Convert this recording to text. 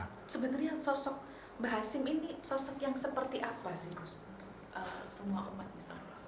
bagaimana sebenarnya sosok mbah hashim ini sosok yang seperti apa sih